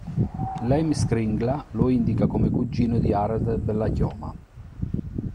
L'Heimskringla lo indica come cugino di Harald Bellachioma.